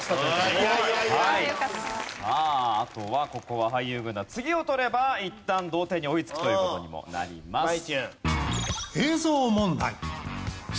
さああとはここは俳優軍団次を取ればいったん同点に追いつくという事にもなります。